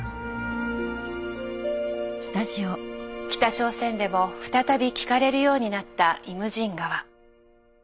北朝鮮でも再び聴かれるようになった「イムジン河」。